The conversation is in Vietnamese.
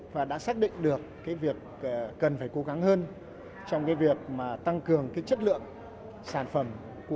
và đã xác định được cái việc cần phải cố gắng hơn trong cái việc mà tăng cường cái chất lượng sản phẩm của